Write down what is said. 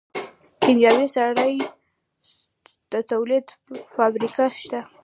د کیمیاوي سرې د تولید فابریکه شته.